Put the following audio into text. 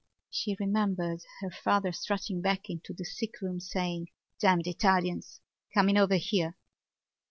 She remembered her father strutting back into the sickroom saying: "Damned Italians! coming over here!"